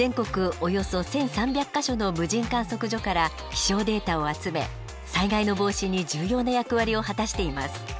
およそ１，３００か所の無人観測所から気象データを集め災害の防止に重要な役割を果たしています。